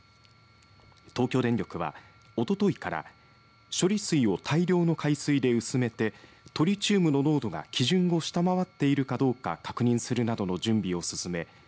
東京電力はおとといから処理水を大量の海水で薄めてトリチウムの濃度が基準を下回っているかどうか確認するなどの準備を進め